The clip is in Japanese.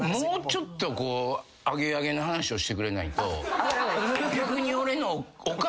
もうちょっとこう上げ上げな話をしてくれないと。